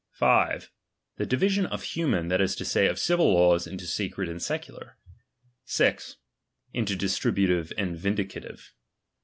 5. The division of human, that is to say, of civil laws into sacred and secular. 6. Into distributive and vindicative.